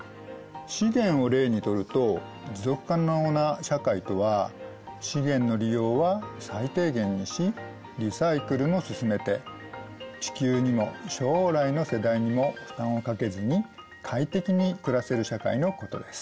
資源を例にとると持続可能な社会とは資源の利用は最低限にしリサイクルも進めて地球にも将来の世代にも負担をかけずに快適に暮らせる社会のことです。